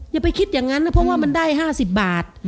อย่าไปคิดอย่างนั้นนะเพราะว่ามันได้๕๐บาท